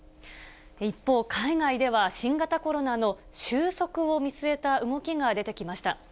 一方、海外では新型コロナの収束を見据えた動きが出てきました。